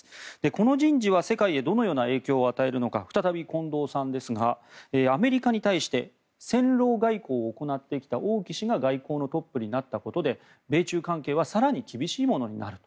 この人事は世界へどのような影響を与えるのか再び近藤さんですがアメリカに対して戦狼外交を行ってきた王毅氏が外交のトップになったことで米中関係は更に厳しいものになる。